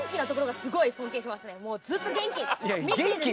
もうずっと元気。